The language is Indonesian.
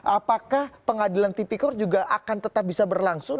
apakah pengadilan tipikor juga akan tetap bisa berlangsung